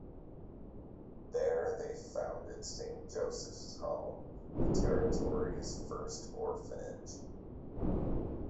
There they founded Saint Joseph's Home, the territory's first orphanage.